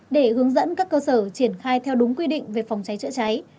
để hướng dẫn các cơ sở triển khai theo đúng quy định về phòng cháy chữa cháy